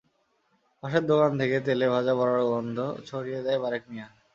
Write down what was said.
পাশের দোকান থেকে তেলে ভাজা বড়ার গন্ধ ছড়িয়ে দেয় বারেক মিয়া।